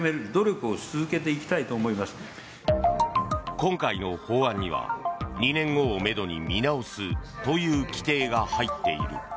今回の法案には２年後をめどに見直すという規定が入っている。